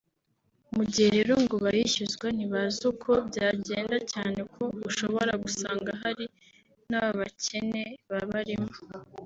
Mu gihe rero ngo bayishyuzwa ntibazi uko byagenda cyane ko ushobora gusanga hari n’ababakene babarimo